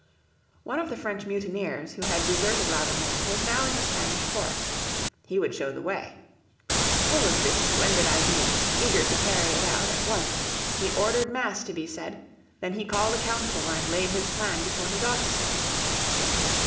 One of the French mutineers who had deserted Laudonnière was now in the Spanish fort. He would show the way. Full of this splendid idea, eager to carry it out at once, he ordered Mass to be said, then he called a council and laid his plan before his officers.